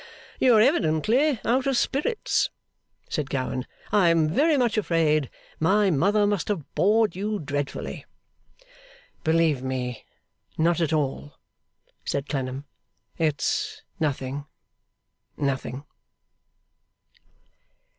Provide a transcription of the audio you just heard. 'You are evidently out of spirits,' said Gowan; 'I am very much afraid my mother must have bored you dreadfully.' 'Believe me, not at all,' said Clennam. 'It's nothing nothing!